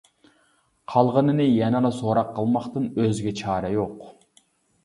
قالغىنىنى يەنىلا سوراق قىلماقتىن ئۆزگە چارە يوق.